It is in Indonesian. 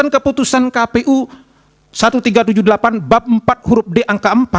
keputusan kpu seribu tiga ratus tujuh puluh delapan bab empat huruf d angka empat